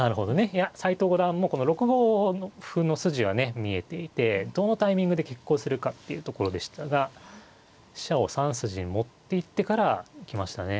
いや斎藤五段はもうこの６五歩の筋はね見えていてどのタイミングで決行するかっていうところでしたが飛車を３筋に持っていってから行きましたね。